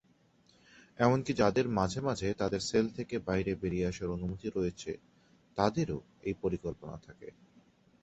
এমনকি যাদের মাঝে মাঝে তাদের সেল থেকে বাইরে বেরিয়ে আসার অনুমতি রয়েছে তাদেরও এই পরিকল্পনা থাকে।